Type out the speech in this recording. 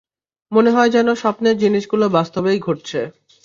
মনে হয় যেন স্বপ্নের জিনিসগুলো বাস্তবেই ঘটছে।